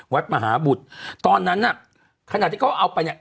วัดมหาบุตรตอนนั้นน่ะขณะที่เขาเอาไปเนี่ย